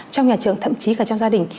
trong nhà trường thậm chí cả trong gia đình